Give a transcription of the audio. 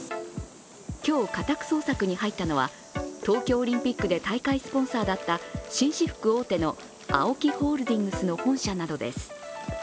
今日、家宅捜索に入ったのは東京オリンピックで大会スポンサーだった紳士服大手のＡＯＫＩホールディングスの本社などです。